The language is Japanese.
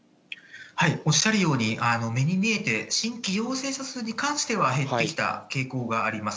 おっしゃるように、目に見えて新規陽性者数に関しては、減ってきた傾向があります。